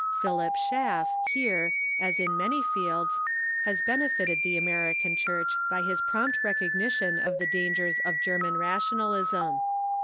Philip Schaff, here, as in many fields, has benefited the American Church by his Representative pi'on^pt recognition of the dangers of German ra American tionalism.